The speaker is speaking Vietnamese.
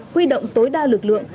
huy động tối đa lực lượng